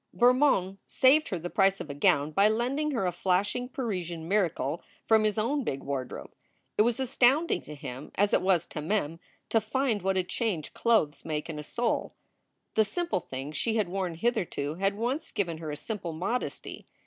Bermond saved her the price of a gown by lending her a flashing Parisian miracle from his own big wardrobe. It was astounding to him as it was to Mem to find what a change clothes make in a soul. The simple things she had worn hitherto had once given her a simple modesty.